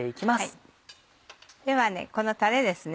このたれですね。